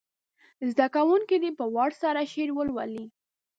زده کوونکي دې په وار سره شعر ولولي.